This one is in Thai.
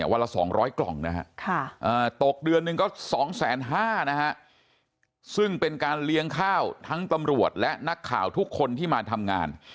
วันละ๒๐๐กล่องนะฮะตกเดือนหนึ่งก็๒๕๐๐นะฮะซึ่งเป็นการเลี้ยงข้าวทั้งตำรวจและนักข่าวทุกคนที่มาทำงาน